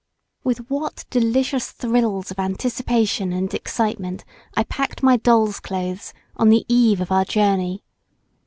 With what delicious thrills of anticipation and excitement I packed my doll's clothes on the eve of our journey!